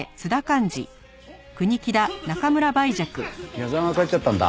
矢沢が帰っちゃったんだ。